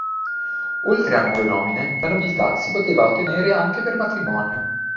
Oltre a nuove nomine, la nobiltà si poteva ottenere anche per matrimonio.